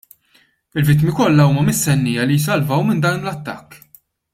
Il-vittmi kollha huma mistennija li jsalvaw minn dan l-attakk.